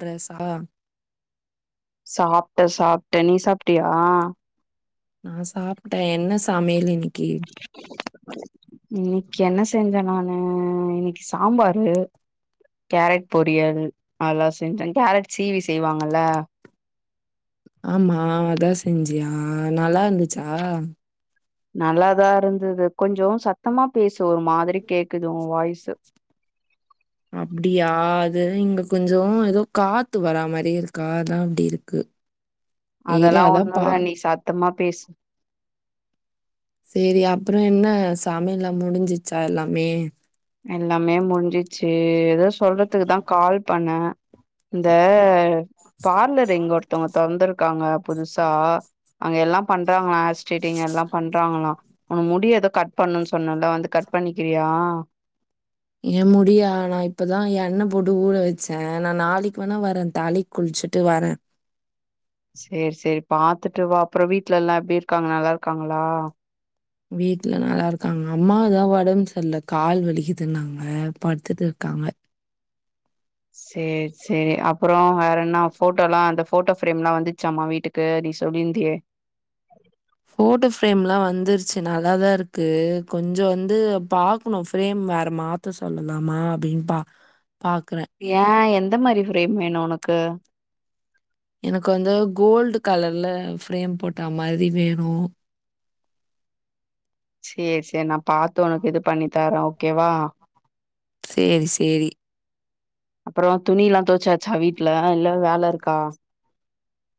Dress ஆ சாப்ட்ட சாப்ட்ட நீ சாப்ட்டியா நா சாப்ட்டே என்ன சமையல் இன்னிக்கி இன்னிக் என்ன செஞ்ச நானு இன்னிக் சாம்பாரு கேரட் பொரியல் அல்லா செஞ்ச கேரட் சீவி செய்வாங்கல்ல ஆமா அதா செஞ்சியா நல்லா இந்துச்சா நல்லாதா இருந்தது கொஞ்சோ சத்தமா பேசு ஒரு மாதிரி கேக்குது உ வாய்ஸு அப்டியா அது இங்க கொஞ்சோ எதோ காத்து வரா மாரியே இருக்கா அதா அப்டி இருக்கு ஏறு அதெல்லா அதான் ஒண்ணு பா. இல்ல நீ சத்தமா பேசு சேரி அப்றோ என்ன சமையல்லா முடிஞ்சிச்சா எல்லாமே எல்லாமே முடிஞ்சிச்சி எதோ சொல்றத்துக்குதா கால் பண்ண இந்த பார்லர் இங்க ஒருத்தவங்கத் தொர்ந்துர்க்காங்க புதுசா அங்க எல்லா பண்றாங்ளா ஹேர் ஸ்டேட்டிங் எல்லா பண்றாங்களா உனு முடிய எதோ கட் பண்ணு சொன்னல்ல வந்து கட் பண்ணிக்கிறியா ஏ முடிய ஆனா இப்பதா எண்ண போட்டு ஊற வச்சே நா நாளிக்கு வேணா வறே தாலி குள்ச்சுட்டு வரே சேர் சேர் பாத்துட்டு வா அப்ற வீட்ல எல்லா எப்டி இருக்காங்க நல்லார்க்காங்களா வீட்ல எல்லா நல்லார்க்காங்க அம்மாதா ஒடம் சர்ல கால் வலிக்கிதுன்னாங்க படுத்துட்டு இர்க்காங்க சேர் சேர் அப்பறோ வேற என்ன போட்டோலா அந்த போட்டோ ஃப்ரேம்லா வந்துச்சாமா வீட்டுக் கு நீ சொல்லிந்தியே போட்டோ ஃப்ரேம்லாம் வந்துருச்சு நல்லாதான் இருக்கு கொஞ்சோ வந்து பாக்கணும் ஃப்ரேம் வேற மாத் த சொல்லலாமா அப்டின் பா பாக்குறே ஏன் எந்த மாரி ஃப்ரேம் வேணும் உனக்கு எனக்கு வந்து கோல்டு கலர்ல ஃப்ரேம் போட்ட மாரி வேணும் சேர் சேர் நான் பாத்து உனக்கு இது பண்ணி தர ஓகேவா சேர் சேரி அப்பறோ துணிலா துவச்சாச்சா வீட்ல இல்ல வேல இருக்கா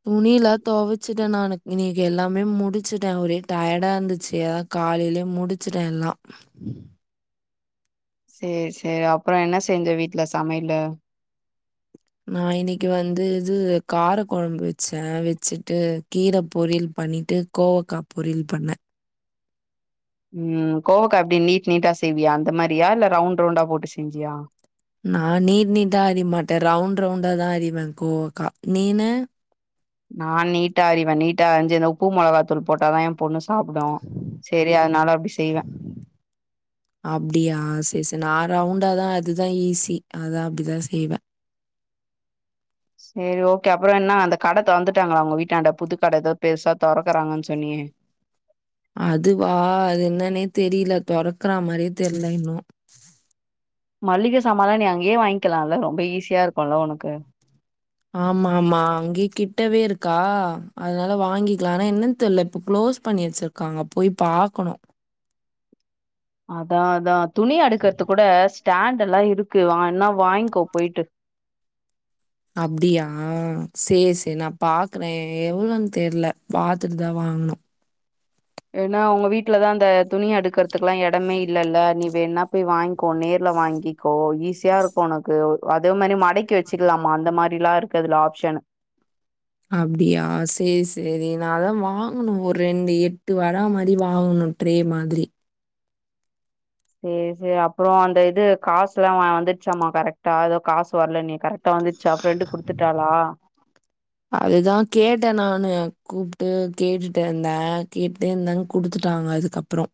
துணியிலா தொவச்சுட்ட நானு இன்னிக்கு எல்லாமே முடிச்சுட்ட ஒரே டயர்டா இருந்துச்சு அ காலையிலே முடிச்சிட்டேன் எல்லாம் சேர் சேர் அப்பறோ என்ன செஞ்ச வீட்ல சமையலு நான் இன்னிக்கு வந்து இது கார குழம்பு வச்சேன் வச்சுட்டு கீர பொரியல் பண்ணிட்டு கோவக்கா பொரில் பண்ண ம் கோவக்க எப்டி நீட் நீட்டா செய்வியா அந்த மாரியா இல்ல ரவுண்ட் ரவுண்டா போட்டு செஞ்சியா நா நீட் நீட்டா அறிய மாட்ட ரவுண்ட் ரவுண்டா தான் அறிவேன் கோவக்கா நீனு நான் நீட்டா அறிவேன் நீட்டா அரிஞ்சி இந்த உப்பு மிளகாத்தூள் போட்டாதான் எ பொண்ணும் சாப்புடும் சேரி அதனால அப்டி செய்வேன் அப்டியா சேர் சேர் நான் ரவுண்டாதான் அதுதான் ஈஸி அதான் அப்டிதான் செய்வேன் சேரி ஓகே அப்பறோ என்னா அந்த கடை தொறந்துட்டாங்களா உங்க வீட்டான்ட புது கட ஏதோ பெருசா தொறக்குறாங்க சொன்னியே அது வா அது என்னன்னே தெரில தொறக்கற மாரியே தெர்ல இன்னும் மல்லிக சமான்ளா நீ அங்கேயே வாங்கிக்கலால்ல ரொம்ப ஈஸியா இருக்குல உனக்கு ஆமா ஆமா அங்கேயே கிட்டவே இருக்கா அதனால வாங்கிக்கலாம் ஆனா என்னன்னு தெர்ல இப்ப க்ளோஸ் பண்ணி வச்சிரு க்காங்க போய் பாக்கணும் அதான் அதான் துணி அடுக்கறதுக்கு கூட ஸ்டாண்டல்லா இருக்கு வா என்னா வாய்க்கோ போய்ட்டு அப்டியா சேர் சேர் நான் பாக்குறேன் எவ்ளோனு தெர்ல பாத்துட்டு தான் வாங்கனும் ஏன்னா உங்க வீட்டுலதான் அந்த துணி அடுக்குறதுக்குல்லா இடமே இல்லல்ல நீ வேன்ன போய் வாய்ங்க்கோ நேர்ல வாங்கி க்கோ ஈஸியா இருக்கும் உனக்கு அதே மாரி மடக்கி வச்சுக்கலாமா அந்த மாரில்லாம் இருக்கு அதுல ஆப்ஷன் அப்டியா சேர் சேரி நாதான் வாங்கணும் ஒரு ரெண்டு எட்டு வர மாரி வாங்கணும் ட்ரே மாதிரி சேர் சேர் அப்பறோ அந்த இது காசுலாம் வந்துடுச்சாம்மா கரெக்ட்டா ஏதோ காசு வரல நீ கரெக்ட் ட்டா வந்துச்சா ஃப்ரெண்ட் குடுத்துட்டாளா அதுதான் கேட்டேன் நானு கூப்ட்டு கேட்டுட்டே இருந்தே கேட் டே இருந்தாங்க குடுத்துட்டாங்க அதுக்கப்பறோ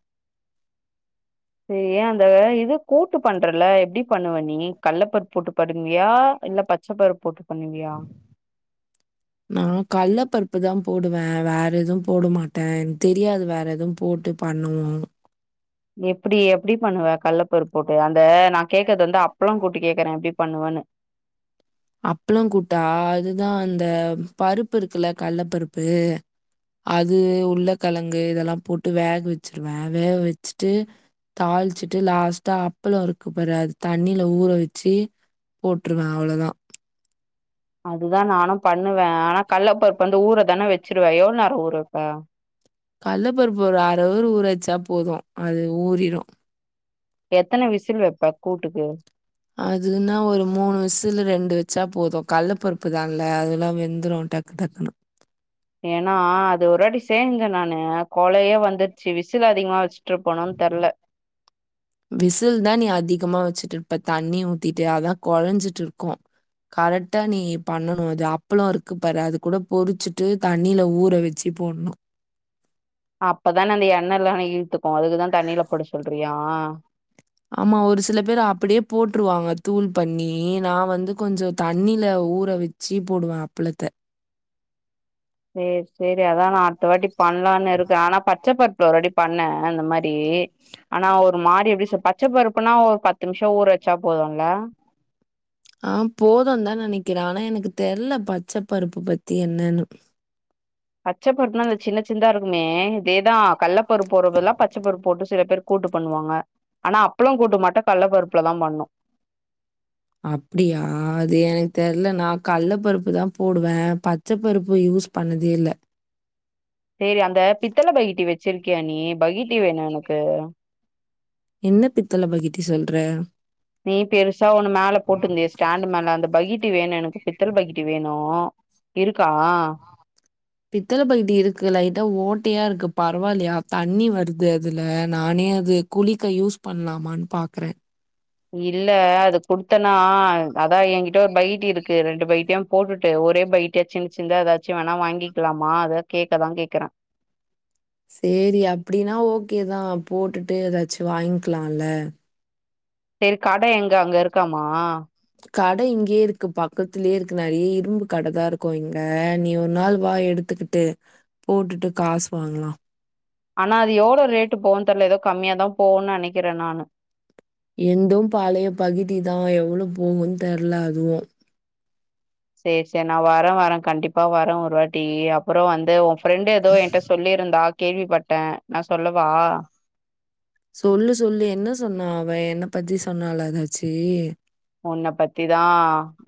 சேரி ஏ அந்த இது கூட்டு பண்றல எப்டி பண்ணுவ நீ கள்ள பருப்பு போட்டு பண்ணுவியா இல்ல பச் ச பருப்பு போட்டு பண்ணுவியா நா கள்ள பருப்பு தான் போடுவே வேற எதுவும் போட மாட்டேன் தெரியாது வேற எதுவும் போட்டு பண்ணுவோம் எப்டி எப்டி பண்ணுவே கள்ளப்பரு போட்டு அந்த நான் கேக்கறது வந்து அப்பளம் கூட்டுகேக்குறேன் எப்டி பண்ணுவேன்னு அப்பளம் கூட்டா அதுதான் அந்த பருப்பு இருக்குல்ல கள்ள பருப்பு அது உள்ளக்கழங்கு இதெல்லாம் போட்டு வேக வச்சிருவேன் வேக வச்சுட்டு தாள்ச்சுட்டு லாஸ்ட்டா அப்பளம் இருக்கு பாரு அது தண்ணில ஊற வச்சி போட்டுருவேன் அவ்ளோதா அதுதான் நானும் பண்ணுவேன் ஆனா கள்ளப்பருப்பு வந்து ஊர தான வச்சுருவ எவ்ளோநேரம் ஊறவப்ப கள்ள பருப்பு ஒரு அரை ஹவுரு ஊற வச்சா போது அது ஊறிரூம் எத்தன விசில் வெப்பா கூட்டுக்கு அதுனா ஒரு மூணு விசுல ரெண்டு வெச்சா போது கள்ள பருப்பு தாங்கலே அதெல்லா வெந்துரு டக் டக்குணு ஏனா அது ஒருவாட்டி சேஞ்சே நானு கொளைய வந்துருச்சி விசில் அதிகமா வச்சுட்டுருப்பனோன்னு தெர்ல [unintelligible] விசில் தா நீ அதிகமா வச்சுட்டுருப்ப தண்ணி ஊத்திட்டு அதா கொழஞ்சிட்டுருக்கு கரெக்டா நீ பண்ணனு அது அப்பளம் இருக்கு பாரு அது கூட பொறிச்சிட்டு தண்ணியில ஊற வெச் சி போட்ணு அப்பதானே அந்த எண்ணெல்லா இழுத்துக்கு அதுக்குதா தண்ணில போட சொல்றியா ஆமா ஒரு சில பேர் அப்படியே போட்டுருவாங்க தூள் பண்ணி நா வந்து கொஞ்சோ தண்ணில ஊற வெச் சி போடுவ அப்பளத்த சேர் சேரி அதா நா அடுத்த வாட்டி பண்லான்னு இருக்கே ஆனா பார் பச்ச பருப்புல ஒருவாட்டி பண்ண அந்த மாரி ஆனா ஒரு மாரி எப்டி சொ பச்ச பருப்புனா ஒரு பத்து நிமிஷம் ஊற வச்சா போதுன்ல. ஆஹ் போதுந்தா நெனைக்கிற ஆனா எனக்கு தெர்ல பச்ச பருப்பு பத்தி என்னன்னு பச்சபருப்புனா அந்த சின்ன சின்னதா இருக்குமே இதேதா கள்ளப்பரு போட்றதல்லா பச்சப்பருப்பு போட்டு சில பேர் கூட்டு பண்ணுவாங்க ஆனா அப்பளு கூட்டு மட்டு கள்ள பருப்புல தா பண்ணு அப்டியா அது எனக்கு தெர்ல நான் கள்ள பருப்பு தா போடுவ பச்சப்பருப்பு யூஸ் பண்ணதே இல்ல சேரி அந்த பித்தள பகிட்டி வச்சிருக்கிய நீ பகிட்டி வேணு எனக்கு என்ன பித்தல பகிட்டி சொல்ற நீ பெருசா ஒன்னு மேல போட்டுருந்தயே ஸ்டாண்டு மேல அந்த பகிட்டி வேணு எனக்கு பித்தள பகிட்டி வேணு இருக்கா பித்தளைபகிட்டி இருக்கு லைட்டா ஓட்டையா இருக்கு பரவால்லையா தண்ணி வருது அதுல நானே அது குளிக்க யூஸ் பண்லாமான்னு பாக்கற இல்ல அது குடுத்தனா அதா என்கிட்ட ஒரு பகிட்டி இருக்கு ரெண்டு பகிட்டியு போட்டுட்டு ஒரே பகிட்டியா சின் சின்தா எதாச்சும் வேணா வாங்கிக்கலாமா அத கேக்கதா கேக்கறே சேரி அப்டின்னா ஓகேதா போட்டுட்டு ஏதாச்சும் வாங்கலா ல செரி கடை எங்க அங்க இருக்காமா கடை இங்கயே இருக்கு பக்கத்துலயே இருக்கு நெறைய இரும்பு கடை தா இருக்கு இங்க நீ ஒரு நாள் வா எடுத்துக்கிட் டு போட்டுட்டு காசு வாங்கலா ஆனா அது எவ்ளோ ரேட்டு போவு தெர்ல ஏதோ கம்மியாதா போவுன்னு நெனைக்கிறே நானு எந்தும் பாழைய பகிட்டி தா எவ்ளோ போகும்ன்னு தெர்ல அதுவு சேரி சேரி நா வர வர கண்டிப்பா வர ஓருவாட்டி அப்பறம் வந்து ஃப்ரெண்டு ஏதோ என்ட்ட சொல்லியிருந்தா கேள்விபட்ட நான் சொல்லவா சொல்லு சொல்லு என்ன சொன்னா அவ என்ன பத்தி சொன்னாளா ஏதாச்சி உன்ன பத்திதா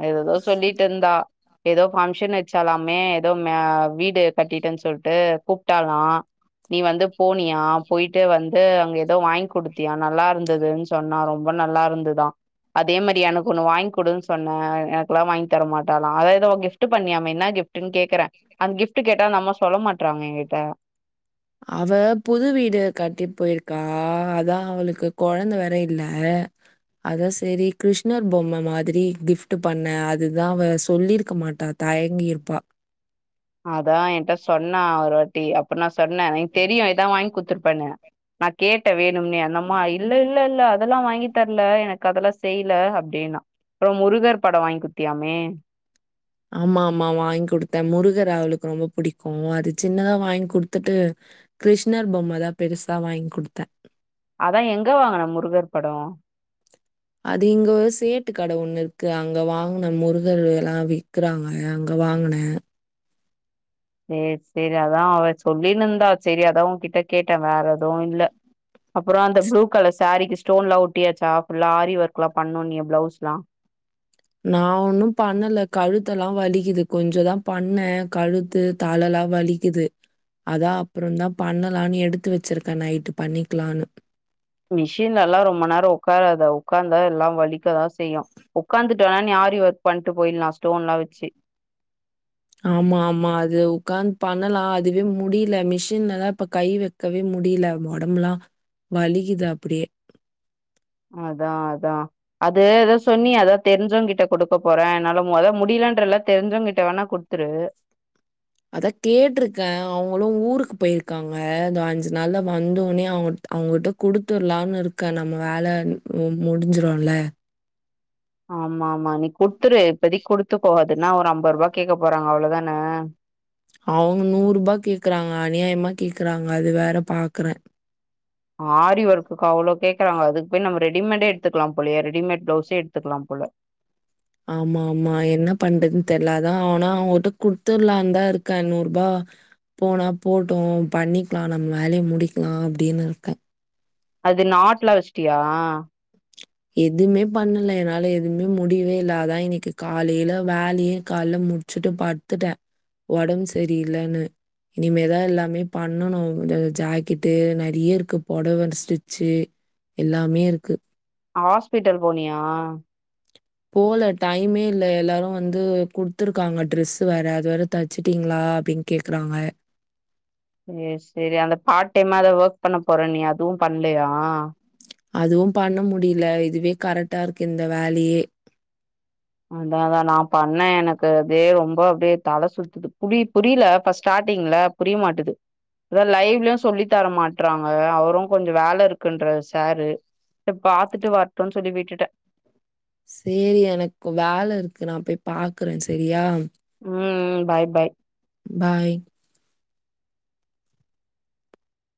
ஏதேதோ சொல்லிட்டு இருந்தா ஏதோ பங்க்ஷன் வச்சாலாமே ஏதோ மே வீடு கட்டிட்டன் சொல்ட்டு கூப்ட்டாலா நீ வந்து போனியா போய்ட்டு வந்து அங்க ஏதோ வாங்கி குடுத்தியா நல்லா இருந்துன் சொன்னா ரொம்ப நல்லா இருந்ததா அதே மாரி எனக்கு ஒன்னு வாய்ங் குடுன்னு சொன்ன எனக்குலா வாங்கி தரமாட்டாலா அதா எதோ கிஃப்ட் பண்ணியாமே என்ன கிஃப்ட்டுன் கேக்கறே அந் கிஃப்ட் கேட்டா அந்தம்மா சொல்ல மாட்றாங்க எங்கிட்ட அவ புது வீடு கட்டி போயிருக்கா அதா அவளுக்கு கொழந்த வேற இல்ல அதா சேரி கிருஷ்ணர் பொம்ம மாதிரி கிஃப்ட் பண்ணே அதுக்குதா அவ சொல்லியிருக்க மாட்டா தயங்கிருப்பா அதா என்ட்ட சொன்னா ஒருவாட்டி அப்ப நா சொன்ன எனக்கு தெரியு எதா வாங்கி குத்துருப்பனு நா கேட்ட வேணும்னே அந்தம்மா இல்ல இல்ல இல்ல அதெல்லா வா ங்கி தர்ல எனக்கு அதெல்லா செய்ல அப்டினா அப்றோ முருகர் படோ வாங்கி குடுத்தியாமே ஆமாமா வாங்கி குடுத்த முருகர் அவுளுக்கு ரொம்ப புடிக்கு அது சின்னதா வாங்கி குடுத்துட்டு கிருஷ்ணர் பொம்மதா பெருசா வாங்கி குடுத்த அதா எங்க வாங்குன முருகர் படோ? அது இங்க ஒரு சேட்டு கட ஒண்ணு இருக்கு அங்க வாங்குன முருகர் எலா வி்க்கறா வயா அங்க வாங்குன சேரி சேரி அதா அவ சொல்லின்னுருந்தா சேரி அதா உன் கிட்ட கேட்ட வேற எதுவு இல்ல அப்றோ அந்த ப்ளூ கலர் சாரிக்கு ஸ்டோன் எல்லா ஓட்டியாச்சா ஃபுல்லா ஆரி ஒர்க்கெல்லா பண்ணணு சொன்னியே ப்ளவுஸ்ல்லா நா ஒன்னு பண்ணல கழுத்தல்லா வலிக்குது கொஞ்சதா பண்ண கழுத்து தலல்லா வலிக்குது அதா அப்பறந்தா பண்ணலான்னு எடுத்து வெச்சிருக்க நைட்டு பண்ணிக்கலான்னு மிஷின்லல்லா ரொம்ப நேரோ உக்காராத உக்காந்தா எல்லா வலிக்கதா செய்யு உக்காந்துட்டு வேனா நீ ஆரி ஒர்க் பண்ட்டு போயிடலா ஸ்டோன்ல்லா வெச்சு ஆமாமா அது உக்காந் பண்ணலா அதுவே முடில மிஷின்லதா இப்ப கை வெக்கவே முடில ஓடம்பெல்லா வலிக்குது அப்டியே அதா அதா அது எதோ சொன்னியே அதா தெரிஞ்சவங்கிட்ட குடுக்க போற என்னால மொத முடிலன்றல்ல தெரிஞ்சவங்கிட்ட வேணா கு டுத்துரு அதா கேட்டிருக்கேன் அவுங்களு ஊருக்கு போயிருக்காங்க இதோ அஞ்சு நாள்ல வந்தொன்னயே அவு அவுங்கிட்ட குடுத்ர்லான்னு இருக்க நம்ம வேல மு முடுஞ்சிருல்ல ஆமாமா நீ குத்துரு இப்பதிக்கு குடுத்துக்கோ அதுனா ஒரு அம்பது ரூபா கேக்க போறாங்க அவ்ளதான அவங்க நூறு ரூபா கேக்குறாங்க அநியாயமா கேக்குறாங்க அது வேற பாக்குறே ஆரி ஒர்க்குக் அவ்ளோ கேக்குறாங்க அதுக்கு போய் நம்ம ரெடிமேட்டே எடுத்துக்கலாம் போலையே ரெடிமேட் ப்ளவ்ஸே எடுத்துக்கலாம் போல ஆமா ஆமா என்ன பண்றதுன் தெர்ல அதா ஆனா அவங்கிட்ட குட்த்துர்லான்தா இருக்கே நூறுபா போனா போட்டு பண்ணிக்கலா நம்ம வேலய முடிக்கலா அப்டின்னு இருக்க அது நாட்ல்லா வெச்சுட்டியா? எதுமே பண்ணல என்னால எதுமே முடிவேயில்ல அதா இன்னைக்கு காலைல வேலயே கால்ல மு டுச்சுட்டு படுத்துட்ட ஓடம்பு சரியில்லனு இனிமேதா எல்லாமே பண்ணணு அந்த ஜாக்கெட்டு நெறயா இருக்கு பொடவ அந்த ஸ்டிச்சு எல்லாமே இருக்கு ஆஸ்பிட்டல் போனியா? போல டைமே இல்ல எல்லாரு வந்து குடுத்துருக்காங்க டிரெஸ்சு வேற அது வேற தச்சுட்டீங்ளா அப்டின் கேக்கறாங்க சேரி சேரி அந்த பார்ட் டைமா எதோ ஒர்க் பண்ண போறன்னியே அதுவு பண்லயா அதுவு பண்ண முடில இதுவே கரெக்டா இருக்கு இந்த வேலயே அதா அதா நா பண்ண எனக்கு அதே ரொம்ப அப்டியே தல சுத்துது பு புரில அப்ப ஸ்டார்ட்டிங்ல புரிய மாட்டுது அதா லைவ்லயு சொல்லித் தர மாட்டறாங்க அவரு கொஞ்சோ வேல இருக்குன்றாரு சாரு இத பாத்துட்டு வரட்டுன்னு சொல்லி விீட்டுட்ட சேரி எனக்கு வேல இருக்கு நா போய் பாக்கறே செரியா ம் பாய் பாய் பாய்